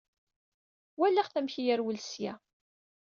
Walaɣ-t amek ay yerwel seg-a.